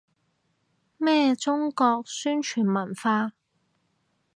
咩中國傳統文化